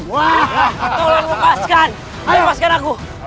tolong lepaskan lepaskan aku